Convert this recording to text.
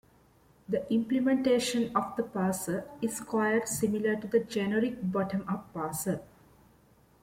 The implementation of the parser is quite similar to the generic bottom-up parser.